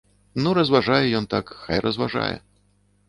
Ну разважае ён так, хай разважае.